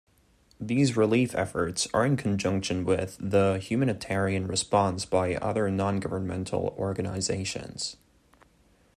These relief efforts are in conjunction with the humanitarian response by other non-governmental organizations.